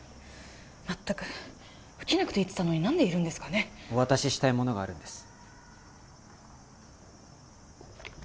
まったく受けなくていいっつったのに何でいるんですかねお渡ししたいものがあるんです